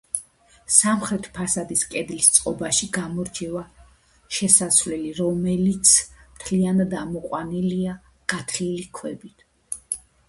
სამხრეთ ფასადის კედლის წყობაში გამორჩევა შესასვლელი, რომელიც მთლიანად ამოყვანილია გათლილი ქვებით.